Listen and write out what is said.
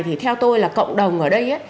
thì theo tôi là cộng đồng ở đây